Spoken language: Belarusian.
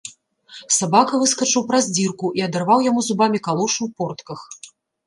Сабака выскачыў праз дзірку і адарваў яму зубамі калошу ў портках.